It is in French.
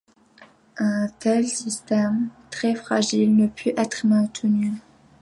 Un tel système, très fragile, ne put être maintenu.